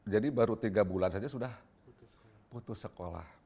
jadi baru tiga bulan saja sudah putus sekolah